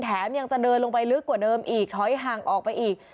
แถมยังจะเดินลงไปลึกกว่าเดิมอีกถอยห่างออกไปอีก